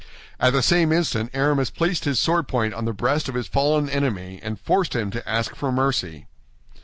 At the same instant Aramis placed his sword point on the breast of his fallen enemy, and forced him to ask for mercy.